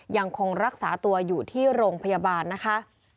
ยังคงรักษาตัวอยู่ที่โรงพยาบาลนะคะ